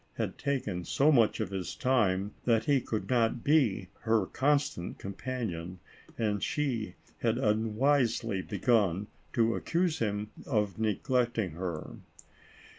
had taken so much of his time, that he could not be her constant companion, and she had unwisely begun to accuse him of neglecting her.